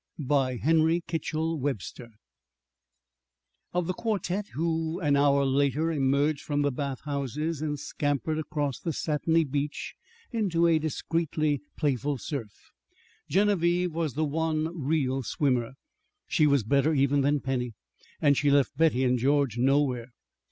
BY HENRY KITCHELL WEBSTER Of the quartette who, an hour later, emerged from the bath houses and scampered across the satiny beech into a discreetly playful surf, Genevieve was the one real swimmer. She was better even than Penny, and she left Betty and George nowhere.